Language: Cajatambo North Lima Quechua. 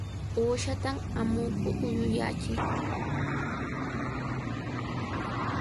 Uyshatam amuku uyuyachin.